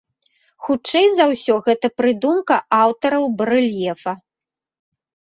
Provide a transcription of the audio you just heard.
Хутчэй за ўсё, гэта прыдумка аўтараў барэльефа.